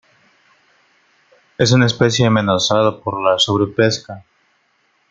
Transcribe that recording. Es una especie amenazada por la sobrepesca.